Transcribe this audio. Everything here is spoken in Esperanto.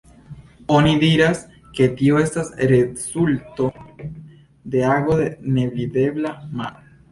Oni diras, ke tio estas rezulto de ago de nevidebla mano.